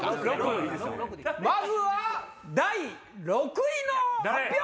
まずは第６位の発表！